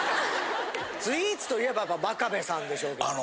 スイーツといえば真壁さんでしょうけども。